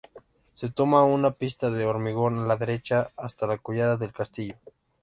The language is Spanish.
Se toma una pista de hormigón a la derecha hasta la collada del Castillo.